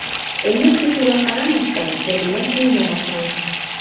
Эңер төшөүгә ҡарамаҫган, Сәбилә кейенә башланы.